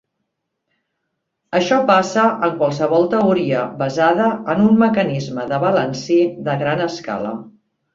Això passa en qualsevol teoria basada en un mecanisme de balancí de gran escala.